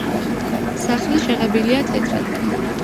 სახლი შეღებილია თეთრად.